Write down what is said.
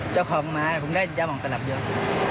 เจ้าของหมาผมได้ยาวหลังตลับด้วย